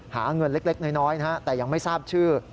หาเงินเล็กน้อยนะฮะแต่ยังไม่ทราบชื่อ